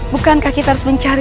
bukankah kita harus mencari